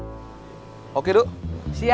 ini opsinya janganmathat ini opsinya ini opsinya